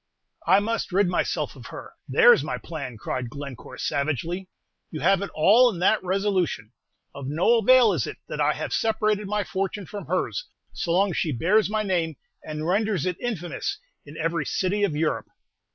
"I must rid myself of her! There's my plan!" cried Glencore, savagely. "You have it all in that resolution. Of no avail is it that I have separated my fortune from hers, so long as she bears my name, and renders it infamous in every city of Europe.